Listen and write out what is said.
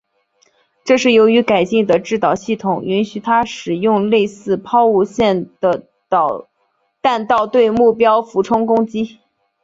这是由于改进的制导系统允许它使用类似抛物线的弹道对目标俯冲攻击。